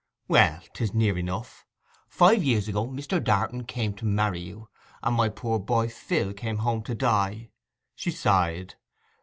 'Well, 'tis near enough. Five years ago Mr. Darton came to marry you, and my poor boy Phil came home to die.' She sighed.